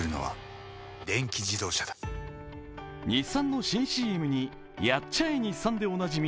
日産の新ＣＭにやっちゃえ日産でおなじみ